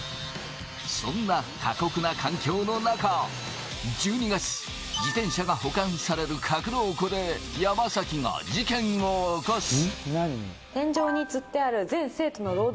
そんな過酷な環境の中、１２月、自転車が保管される格納庫で山崎が事件を起こす。